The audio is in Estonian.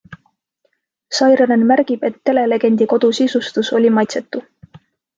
Sairanen märgib, et telelegendi kodu sisustus oli maitsetu.